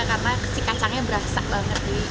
karena si kacangnya berasak banget